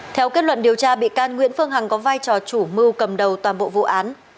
theo kết luận điều tra bị can nguyễn phương hằng có vai trò chủ mưu cầm đầu toàn bộ vụ án